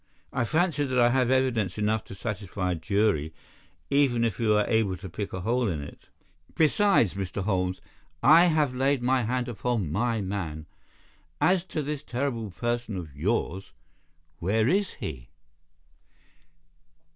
I fancy that I have evidence enough to satisfy a jury, even if you are able to pick a hole in it. Besides, Mr. Holmes, I have laid my hand upon my man. As to this terrible person of yours, where is he?"